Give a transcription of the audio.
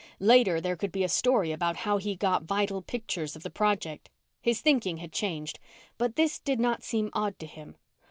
Later, there could be a story about how he got vital pictures of the project. His thinking had changed, but this did not seem odd to him.